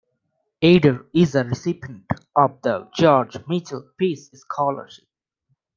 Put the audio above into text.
Eder is a recipient of the George Mitchell Peace Scholarship.